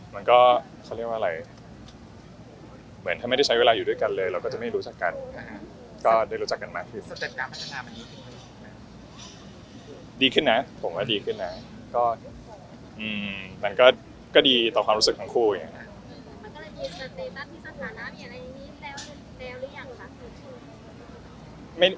มันก็เลยมีเซ็ตัสที่สถานะมีอะไรอย่างนี้แปลว่าแปลว่าอย่างหรืออย่างหรือ